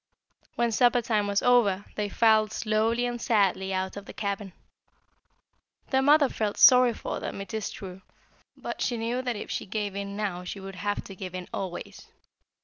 When supper time was over they filed slowly and sadly out of the cabin. Their mother felt sorry for them, it is true; but she knew that if she gave in now she would have to give in always.